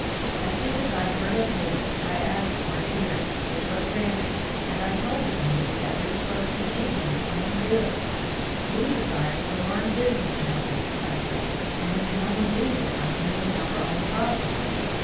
As soon as I heard of this, I asked for a hearing, which was granted, and I told the committee that this was the Indians' own bill. "We desire to learn business methods," I said, "and we can only do this by handling our own property.